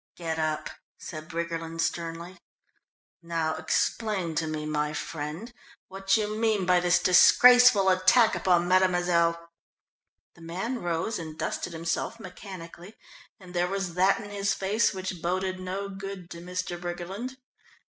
"Get up," said Briggerland sternly. "Now explain to me, my friend, what you mean by this disgraceful attack upon mademoiselle." The man rose and dusted himself mechanically and there was that in his face which boded no good to Mr. Briggerland.